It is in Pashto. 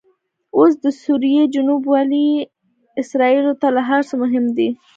اوس دسوریې جنوب ولې اسرایلو ته له هرڅه مهم دي؟